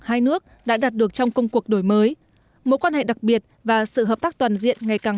hai nước đã đạt được trong công cuộc đổi mới mối quan hệ đặc biệt và sự hợp tác toàn diện ngày càng